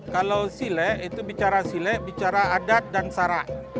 kalau silek itu bicara silek bicara adat dan sara